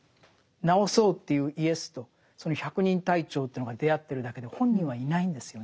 治そうというイエスとその百人隊長というのが出会ってるだけで本人はいないんですよね。